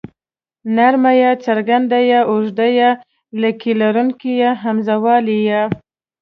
نرمه ی څرګنده ي اوږده ې لکۍ لرونکې ۍ همزه واله ئ